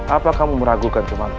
apa kamu meragukan kemampuanku